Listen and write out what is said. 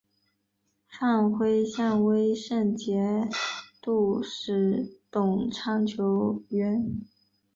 范晖向威胜节度使董昌求援。